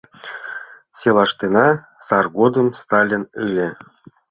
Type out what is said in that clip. — Селаштына сар годым «Сталин» ыле.